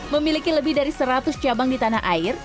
memiliki lebih dari seratus cabang di tanah air